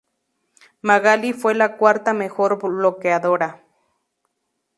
Magaly fue la cuarta mejor bloqueadora.